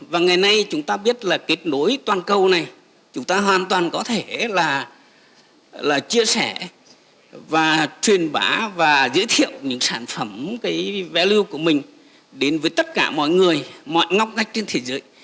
và ngày nay chúng ta biết là kết nối toàn cầu này chúng ta hoàn toàn có thể là chia sẻ và truyền bá và giới thiệu những sản phẩm cái value của mình đến với tất cả mọi người mọi ngóc ngách trên thế giới